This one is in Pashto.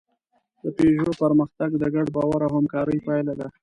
د پيژو پرمختګ د ګډ باور او همکارۍ پایله ده.